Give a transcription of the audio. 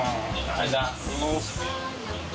・ありがとうございます。